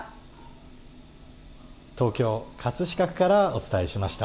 東京・飾区からお伝えしました。